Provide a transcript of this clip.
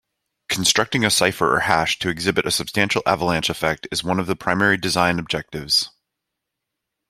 Constructing a cipher or hash to exhibit a substantial avalanche effect is one of its primary design objectives.